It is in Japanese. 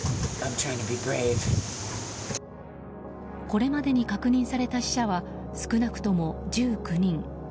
これまでに確認された死者は少なくとも１９人。